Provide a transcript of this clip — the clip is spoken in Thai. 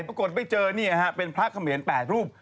ปรากฏไปเจอเป็นพระเขมน๘รูป